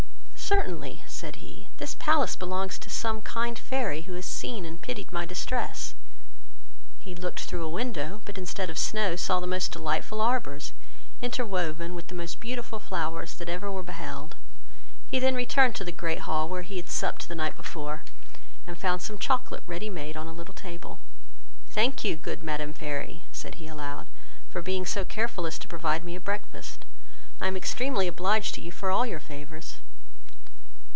"Certainly, (said he,) this palace belongs to some kind fairy, who has seen and pitied my distress." He looked through a window, but instead of snow saw the most delightful arbours, interwoven with the most beautiful flowers that ever were beheld. He then returned to the great hall, where he had supped the night before, and found some chocolate ready made on a little table. "Thank you, good Madam Fairy, (said he aloud,) for being so careful as to provide me a breakfast; I am extremely obliged to you for all your favours."